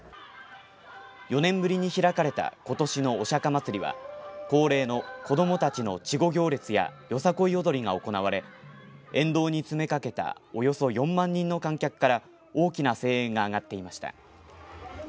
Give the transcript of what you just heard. ４年ぶりに開かれたことしのお釈迦まつりは恒例の子どもたちの稚児行列やよさこい踊りが行われ沿道に詰めかけたおよそ４万人の観客から大きな声援が上がっていました。